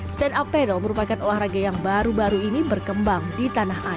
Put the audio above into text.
stand up paddle merupakan olahraga yang baru baru ini berkembang di tanah air